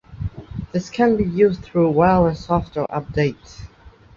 This can be used through wireless software updates.